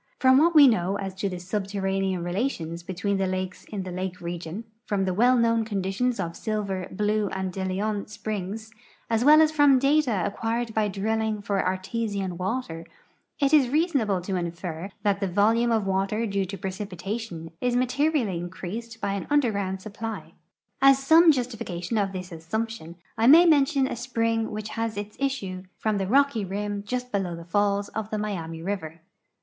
From what we know as to the subterranean relations between the lakes in the lake region, from the well known conditions of Silver, Blue, and De Leon springs, as well as from data acquired by drilling for artesian water, it is reasonable to infer that the volume of water due to ))recipitation is materially increased b}' an under ground supi)ly. As some justification of this assumption, I may mention a spring which has its issue from the rocky rim just l)elow the falls of the Miami river.